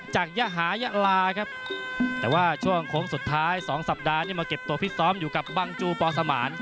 ใจเต็มเลยนะครับจากยะหายะลาครับแต่ว่าช่วงโค้งสุดท้ายสองสัปดาห์นี่มาเก็บตัวพิษซ้อมอยู่กับบางจูปอสมาร